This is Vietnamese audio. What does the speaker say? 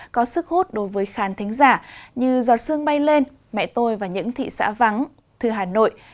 có sức hút đối với khán thính giả như giọt sương bay lên mẹ tôi và những thị xã vắng thư hà nội